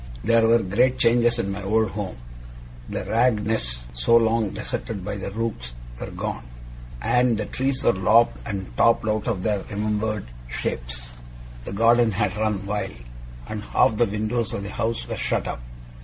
There were great changes in my old home. The ragged nests, so long deserted by the rooks, were gone; and the trees were lopped and topped out of their remembered shapes. The garden had run wild, and half the windows of the house were shut up.